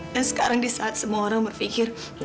dan sekarang disaat semua orang berpikir